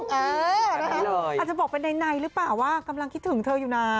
อาจจะบอกเป็นในหรือเปล่าว่ากำลังคิดถึงเธออยู่นะ